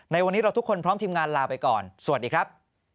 วันนี้เราทุกคนพร้อมทีมงานลาไปก่อนสวัสดีครับ